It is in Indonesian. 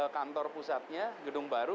kantor pusatnya gedung baru